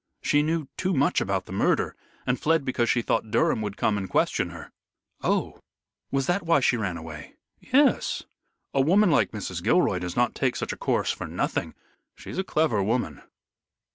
She knew too much about the murder, and fled because she thought Durham would come and question her." "Oh! Was that why she ran away?" "Yes! A woman like Mrs. Gilroy does not take such a course for nothing. She's a clever woman."